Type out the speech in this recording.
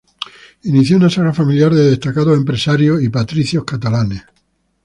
Inició una saga familiar de destacados empresarios y patricios catalanes.